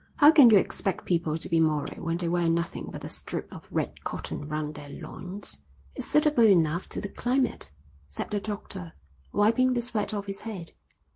How can you expect people to be moral when they wear nothing but a strip of red cotton round their loins?" "It's suitable enough to the climate," said the doctor, wiping the sweat off his head.